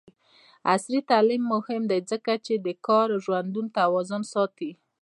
عصري تعلیم مهم دی ځکه چې د کار او ژوند توازن ساتي.